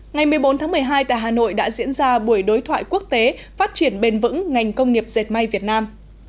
ngày một mươi bốn tháng một mươi hai tại hà nội đã diễn ra buổi đối thoại quốc tế phát triển bền vững ngành công nghiệp dệt may việt nam